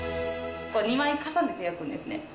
２枚重ねて焼くんですね。